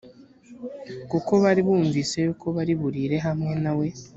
kuko bari bumvise yuko bari burire hamwe na we